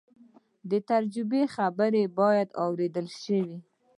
د تجربې خبرې باید واورېدل شي.